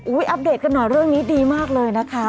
อัปเดตกันหน่อยเรื่องนี้ดีมากเลยนะคะ